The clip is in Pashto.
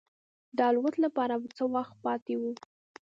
د الوت لپاره څه وخت پاتې و.